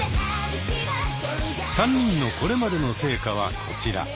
３人のこれまでの成果はこちら。